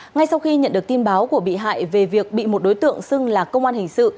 ngay sau khi nhận được tin báo của bị hại về việc bị một đối tượng xưng là công an hình sự